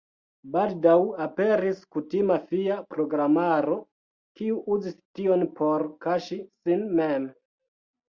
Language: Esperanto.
Baldaŭ aperis kutima fia programaro, kiu uzis tion por kaŝi sin mem.